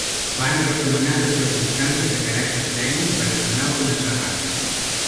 Van recomanar de fer alguns canvis de caràcter tècnic per esmenar algunes errades.